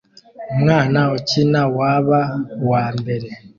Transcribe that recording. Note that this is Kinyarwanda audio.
Umwana ukina waba uwambere